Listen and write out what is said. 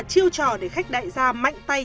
chiêu trò để khách đại gia mạnh tay